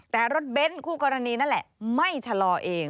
แต่รถเบ้นคู่กรณีนั่นแหละไม่ชะลอเอง